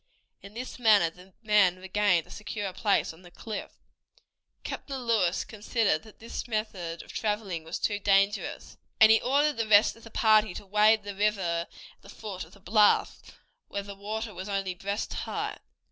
In this manner the man regained a secure place on the cliff. Captain Lewis considered that this method of traveling was too dangerous, and he ordered the rest of the party to wade the river at the foot of the bluff, where the water was only breast high.